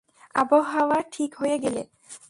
আবহাওয়া ঠিক হয়ে গেলে।